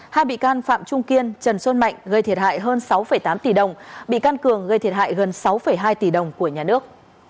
hai bị can phạm trung kiên trần xuân mạnh gây thiệt hại hơn sáu tám tỷ đồng bị can cường gây thiệt hại gần sáu hai tỷ đồng của nhà nước